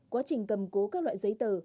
quá trình cầm cố các loại giấy tờ